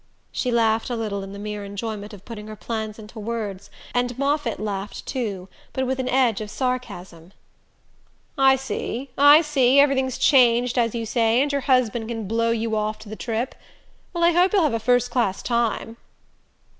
She laughed a little in the mere enjoyment of putting her plans into words and Moffatt laughed too, but with an edge of sarcasm. "I see I see: everything's changed, as you say, and your husband can blow you off to the trip. Well, I hope you'll have a first class time."